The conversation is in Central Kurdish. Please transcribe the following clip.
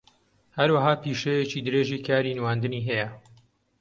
ھەروەھا پیشەیەکی درێژی کاری نواندنی ھەیە